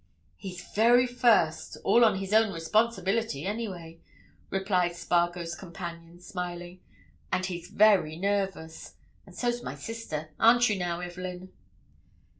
"His very first—all on his own responsibility, any way," replied Spargo's companion, smiling. "And he's very nervous—and so's my sister. Aren't you, now, Evelyn?"